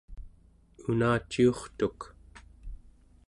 unaciurtuk